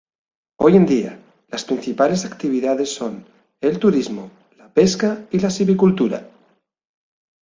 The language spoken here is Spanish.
Hoy en día, las principales actividades son el turismo, la pesca y la silvicultura.